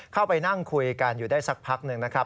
เข้าไปนั่งคุยกันอยู่ได้สักพักหนึ่งนะครับ